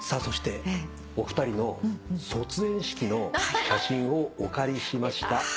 そしてお二人の卒園式の写真をお借りしました。